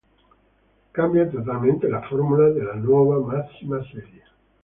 Cambia totalmente la formula della nuova massima serie.